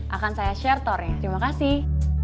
akan saya share tournya terima kasih